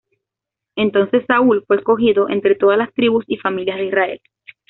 Entonces Saúl fue escogido entre todas las tribus y familias de Israel.